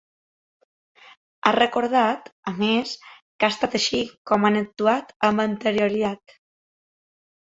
Ha recordat, a més, que ha estat així com han actuat amb anterioritat.